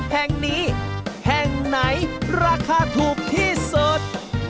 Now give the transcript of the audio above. แห่งนี้แห่งไหนราคาถูกที่สุด